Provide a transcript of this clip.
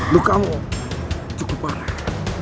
lukamu cukup parah